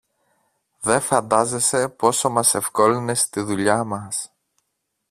Δε φαντάζεσαι πόσο μας ευκόλυνες τη δουλειά μας